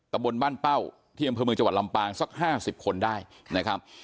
บนบ้านเป้าที่อำเภอเมืองจังหวัดลำปางสัก๕๐คนได้นะครับ